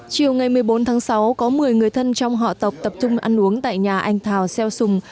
chiều ngày một mươi bốn tháng sáu có một mươi người thân trong họ tập trung ăn uống tại nhà anh thảo xeo sùng